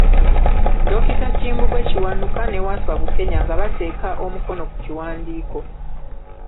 Dokita Kimbugwe Kiwanuka ne Wasswa Bukenya nga bateeka omukono ku kiwandiiko.